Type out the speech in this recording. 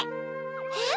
えっ？